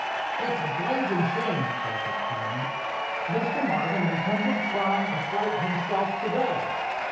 "It's a blazing shame!" broke out Hiram. "Mr. Marvin intended trying a flight himself to day.